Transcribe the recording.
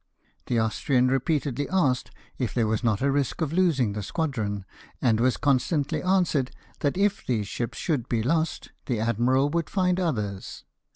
The Austrian repeatedly asked if there was not a risk of losing the squadron, and was constantly answered that if these ships should be lost the admiral would find others.